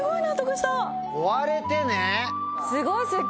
すごい。